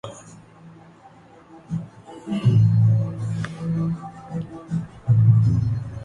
تاریخ دان Wilfred modelling کے مطابق خلافتِ علی کے آخری دنوں میں علی کا رجحان معاویہ کی طرف تھا